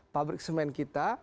pabrik semen kita